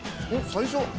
最初。